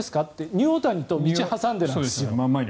ニューオータニと道を挟んでいるわけです。